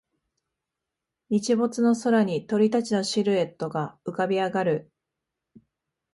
日没の空に鳥たちのシルエットが浮かび上がる